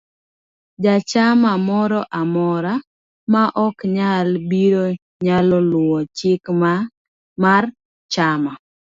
Jachamamoro amora ma ok nyal biro, nyalo luwo chik mar chama